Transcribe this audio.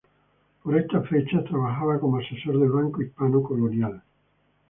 Por estas fechas trabajaba como asesor del Banco Hispano-Colonial.